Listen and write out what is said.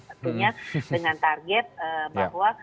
sebetulnya dengan target bahwa